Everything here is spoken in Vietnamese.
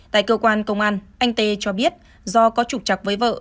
tại cơ quan công an anh t v t cho biết do có trục trặc với vợ